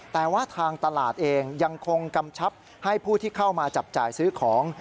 แต่ว่าทางตลาดเองยังคงกำชับให้ผู้ที่เข้ามาจับจ่ายซื้อของ